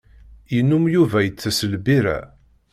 Yennum Yuba itess lbirra.